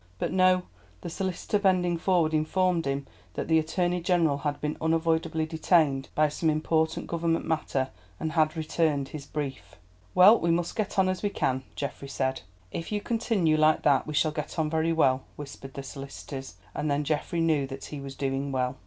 But no, the solicitor bending forward informed him that the Attorney General had been unavoidably detained by some important Government matter, and had returned his brief. "Well, we must get on as we can," Geoffrey said. "If you continue like that we shall get on very well," whispered the solicitors, and then Geoffrey knew that he was doing well.